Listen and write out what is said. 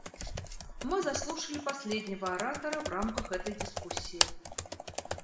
Мы заслушали последнего оратора в рамках этой дискуссии.